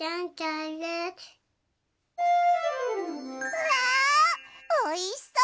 うわおいしそう！